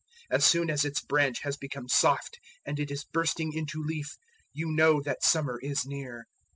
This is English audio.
As soon as its branch has become soft and it is bursting into leaf, you know that summer is near.